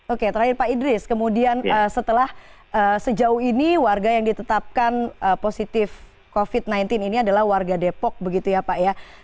oke terakhir pak idris kemudian setelah sejauh ini warga yang ditetapkan positif covid sembilan belas ini adalah warga depok begitu ya pak ya